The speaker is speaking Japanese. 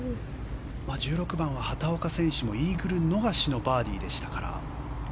１６番は畑岡選手もイーグル逃しのバーディーでしたから。